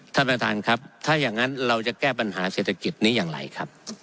ท่านประธานครับถ้าอย่างนั้นเราจะแก้ปัญหาเศรษฐกิจนี้อย่างไรครับ